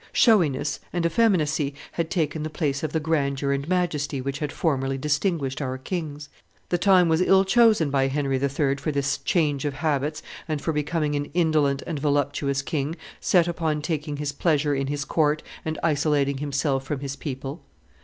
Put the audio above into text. Showiness and effeminacy had taken the place of the grandeur and majesty which had formerly distinguished our kings." [De Thou, Histoire universelle, t. vii. p. 134.] The time was ill chosen by Henry III. for this change of habits and for becoming an indolent and voluptuous king, set upon taking his pleasure in his court and isolating himself from his people.